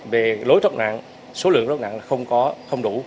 về lối thốc nạn số lượng lối thốc nạn không đủ